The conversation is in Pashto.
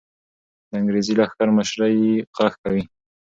د انګریزي لښکر مشري غږ کوي.